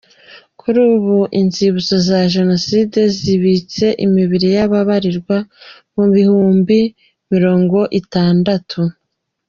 Kuri ubu inzibutso za Jenoside zibitse imibiri y’ababarirwa mu bihumbi mirongo itandatu.